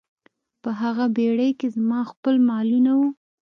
په هغه بیړۍ کې زما خپل مالونه وو.